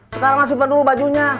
sekarang masih penuh bajunya